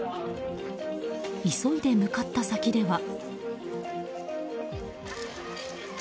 急いで向かった先では。